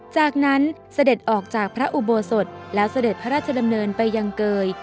จากนั้นเสด็จออกจากพระอุโบสถแล้วเสด็จพระราชดำเนินไปยังเกย